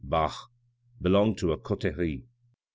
bah ! belong to a coterie.